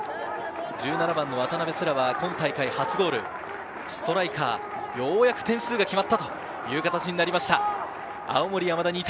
１７番の渡邊星来は今大会初ゴール、ストライカー、ようやく点数が決まったという形になりました、青森山田。